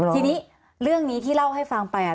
ทีนี้เรื่องนี้ที่เล่าให้ฟังไป